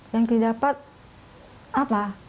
yang didapat apa